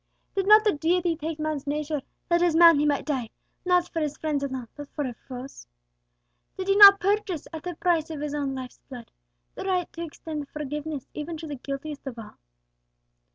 Did not the Deity take man's nature, that as Man He might die, not for His friends alone, but for His foes? Did He not purchase, at the price of His own life's blood, the right to extend free forgiveness even to the guiltiest of all?"